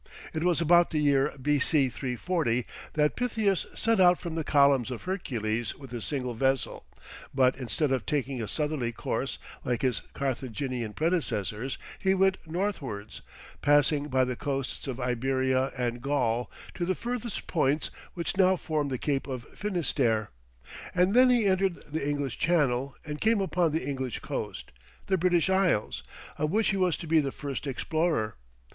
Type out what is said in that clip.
It was about the year B.C. 340 that Pytheas set out from the columns of Hercules with a single vessel, but instead of taking a southerly course like his Carthaginian predecessors, he went northwards, passing by the coasts of Iberia and Gaul to the furthest points which now form the Cape of Finisterre, and then he entered the English Channel and came upon the English coast the British Isles of which he was to be the first explorer.